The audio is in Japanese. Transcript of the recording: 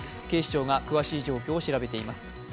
警視庁が詳しい状況を調べています。